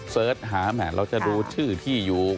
เสิร์ชหาแหมเราจะดูชื่อที่อยู่